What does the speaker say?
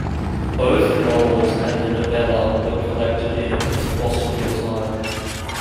Both novels and the novella were collected in "Across Realtime".